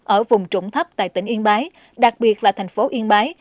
ở vùng trũng thấp tại tỉnh yên bái đặc biệt là thành phố yên bái